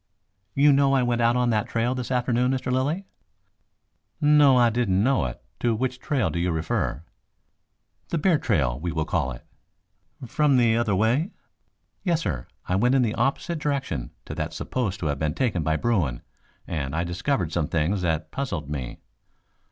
"You know I went out on that trail this afternoon, Mr. Lilly?" "No, I didn't know it. To which trail do you refer?" "The bear trail we will call it." "From the other way?" "Yes, sir. I went in the opposite direction to that supposed to have been taken by Bruin, and I discovered some things that puzzled me."